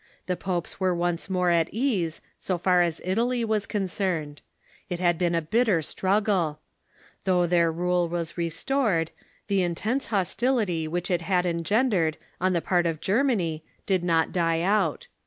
The popes were once more at ease, so far as Italy was concerned. It had been a bitter struggle. Though their rule was restored, the intense hostility which it had engendered on the part of TUE JEWISH PHILOSOPHY 175 Germany did not die out.